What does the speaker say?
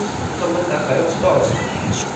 上班打卡要遲到了